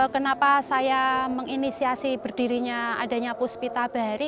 kenapa saya menginisiasi berdirinya adanya puspita bahari